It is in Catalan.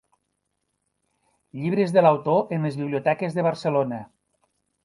Llibres de l'autor en les biblioteques de Barcelona.